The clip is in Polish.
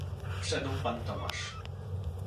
"Wszedł pan Tomasz."